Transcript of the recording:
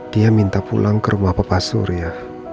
dia minta pulang ke rumah bapak surya